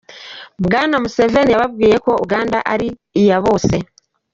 Bwana Museveni yababwiye ko Uganda ari iya bose.